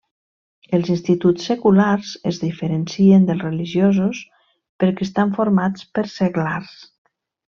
Els instituts seculars es diferencien dels religiosos perquè estan formats per seglars.